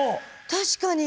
確かに。